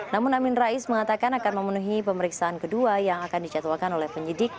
namun amin rais mengatakan akan memenuhi pemeriksaan kedua yang akan dicatwalkan oleh penyidik